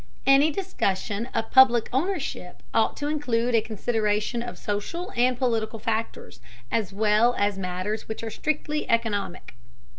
Any discussion of public ownership ought to include a consideration of social and political factors, as well as matters which are strictly economic.